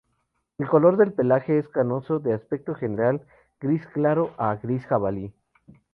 El color del pelaje es canoso de aspecto general, gris claro a gris jabalí.